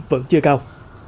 vẫn chưa cao